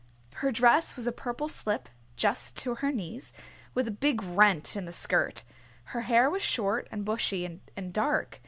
Her dress was a purple slip just to her knees, with a big rent in the skirt. Her hair was short and bushy and dark.